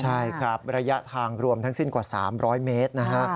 ใช่ครับระยะทางรวมทั้งสิ้นกว่า๓๐๐เมตรนะฮะ